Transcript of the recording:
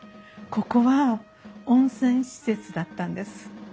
ここは温泉施設だったんです。